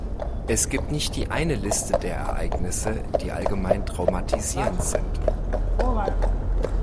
Es gibt nicht die eine Liste der Ereignisse, die allgemein traumatisierend sind.